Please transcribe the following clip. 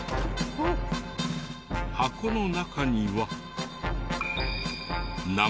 箱の中には。